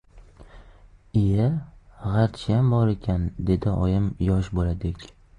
— lya, g‘archiyam bor ekan, — dedi oyim yosh boladek